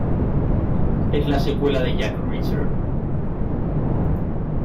Es la secuela de "Jack Reacher".